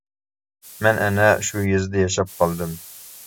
مەن ئەنە شۇ يېزىدا ياشاپ قالدىم.